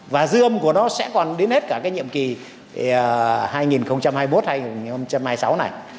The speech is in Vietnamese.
và dư âm của nó sẽ còn đến hết cả cái nhiệm kỳ hai nghìn hai mươi một hai nghìn hai mươi sáu này